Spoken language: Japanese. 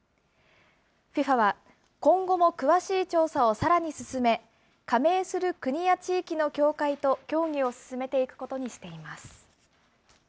ＦＩＦＡは今後も詳しい調査をさらに進め、加盟する国や地域の協会と協議を進めていくことにしています。